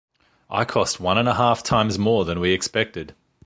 I cost one and a half times more than we expected.